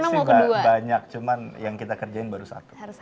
sketch sih banyak cuman yang kita kerjain baru satu